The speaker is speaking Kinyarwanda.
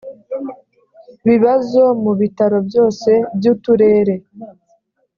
bibazo mu bitaro byose byu uturere